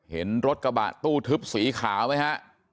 เห็นรถกระบะตู้ทึบสีขาวไหมฮะ